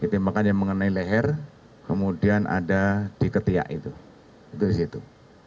tembakan yang mengenai leher kemudian ada di ketiak itu